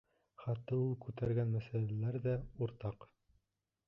Хатта ул күтәргән мәсьәләләр ҙә уртаҡ.